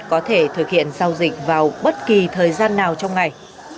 có thể thực hiện giao dịch vào bất kỳ thời gian nào trong ngày